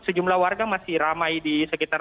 sejumlah warga masih ramai di sekitar